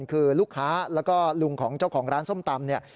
คือลูกค้าแล้วก็ลุงของเจ้าของร้านส้มตำเนี่ย